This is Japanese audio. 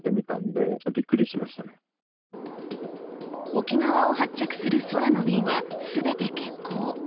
沖縄を発着する空の便は全て欠航。